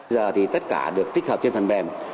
giờ thì tất cả được tích hợp trên phần mềm